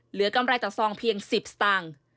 กำไรต่อซองเพียง๑๐สตางค์